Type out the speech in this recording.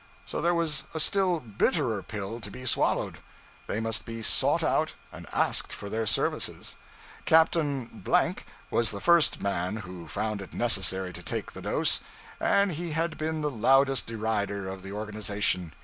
So there was a still bitterer pill to be swallowed: they must be sought out and asked for their services. Captain was the first man who found it necessary to take the dose, and he had been the loudest derider of the organization.